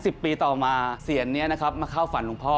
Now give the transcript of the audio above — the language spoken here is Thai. สิบปีต่อมาเซียนนี้นะครับมาเข้าฝันหลวงพ่อ